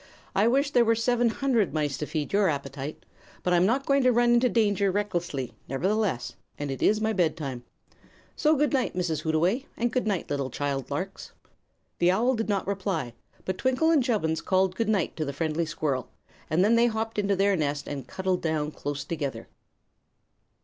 "I wish there were seven hundred mice to feed your appetite. But I'm not going to run into danger recklessly, nevertheless, and it is my bed time. So good night, Mrs. Hootaway; and good night, little child larks." The owl did not reply, but Twinkle and Chubbins called good night to the friendly squirrel, and then they hopped into their nest and cuddled down close together.